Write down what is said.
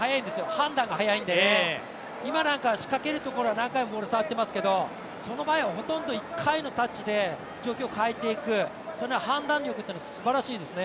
判断が早いんで、今なんか仕掛けるところは何回もボール触っていますけどその前はほとんど１回のタッチで状況を変えていく判断力っていうのはすばらしいですね